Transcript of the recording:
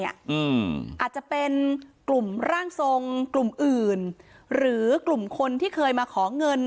อาจจะเป็นกลุ่มร่างทรงกลุ่มอื่นหรือกลุ่มคนที่เคยมาขอเงิน